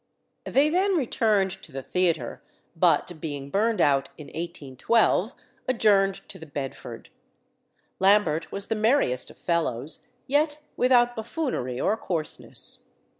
They then returned to the theatre, but being burned out in 1812, adjourned to the Bedford. Lambert was the merriest of fellows, yet without buffoonery or coarseness.